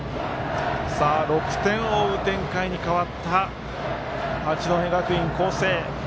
６点を追う展開に変わった八戸学院光星。